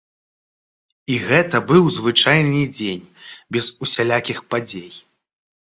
І гэта быў звычайны дзень, без усялякіх падзей.